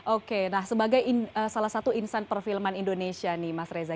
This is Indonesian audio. oke nah sebagai salah satu insan perfilman indonesia nih mas reza